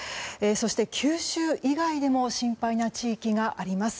そして、九州以外でも心配な地域があります。